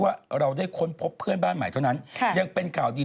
และที่สำคัญอาจจะมีสิ่งมีชีวิตบนดาวดวงนี้